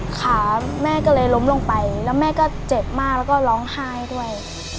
ขาแม่ก็เลยล้มลงไปแล้วแม่ก็เจ็บมากแล้วก็ร้องไห้ด้วย